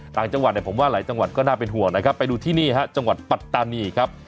ต่างจังหวัดเนี่ยผมว่าหลายจังหวัดก็น่าเป็นห่วงนะครับไปดูที่นี่ฮะจังหวัดปัตตานีครับ